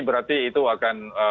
berarti itu akan